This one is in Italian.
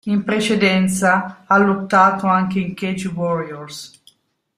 In precedenza ha lottato anche in Cage Warriors.